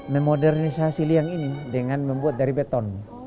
memodernisasi liang ini dengan membuat dari beton